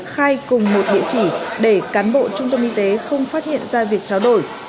hai cùng một địa chỉ để cán bộ trung tâm y tế không phát hiện ra việc trao đổi